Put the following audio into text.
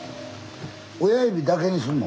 親指だけにすんの？